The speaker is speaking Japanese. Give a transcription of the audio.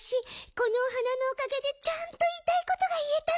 このお花のおかげでちゃんといいたいことがいえたの。